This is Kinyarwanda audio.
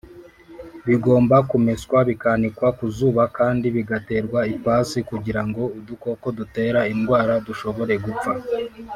bigomba kumeswa bikanikwa ku zuba kandi bigaterwa ipasi kugira ngo udukoko dutera indwara dushobore gupfa